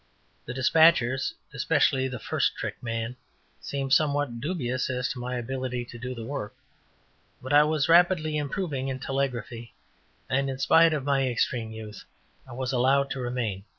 The despatchers, especially the first trick man, seemed somewhat dubious as to my ability to do the work, but I was rapidly improving in telegraphy, and, in spite of my extreme youth I was allowed to remain.